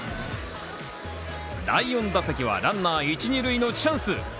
第４打席はランナー１・２塁のチャンス。